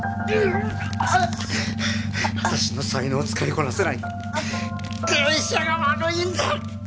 私の才能を使いこなせない会社が悪いんだ！